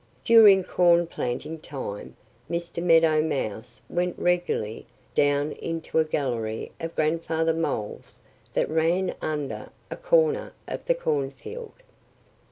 During corn planting time Mr. Meadow Mouse went regularly down into a gallery of Grandfather Mole's that ran under a corner of the cornfield.